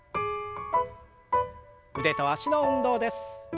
腕と脚の運動です。